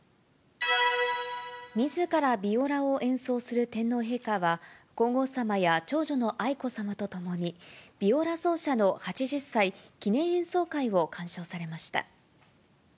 みずからビオラを演奏する天皇陛下は、皇后さまや長女の愛子さまと共に、ビオラ奏者の８０歳記念演奏会を鑑賞されました。